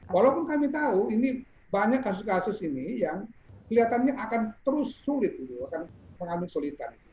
walaupun kami tahu ini banyak kasus kasus ini yang kelihatannya akan terus sulit akan mengambil sulitan